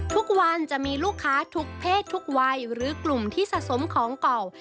ทุกวันจะมีลูกค้าทุกเพศทุกวัยหรือกลุ่มที่สะสมของเก่า